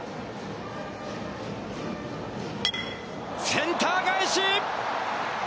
センター返し！